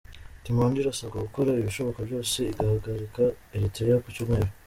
Team Rwanda irasabwa gukora ibishoboka byose igahagarika Eritrea ku Cyumweru.